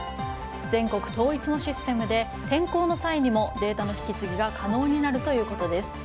全国統一のシステムで転校の際にもデータの引き継ぎが可能になるということです。